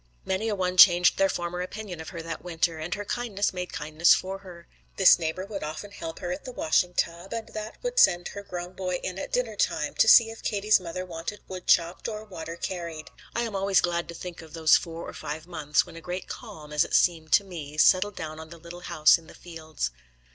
Many a one changed their former opinion of her that winter, and her kindness made kindness for her. This neighbour would often help her at the washing tub, and that would send her grown boy in at dinner time to see if Katie's mother wanted wood chopped or water carried. I am always glad to think of those four or five months, when a great calm, as it seems to me, settled down on the little house in the fields.